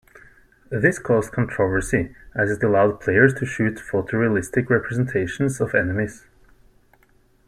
This caused controversy as it allowed players to shoot photorealistic representations of enemies.